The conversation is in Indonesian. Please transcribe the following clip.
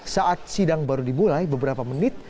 saat sidang baru dimulai beberapa menit